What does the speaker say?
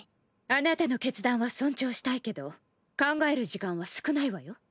あなたの決断は尊重したいけど考える時間は少ないわよ。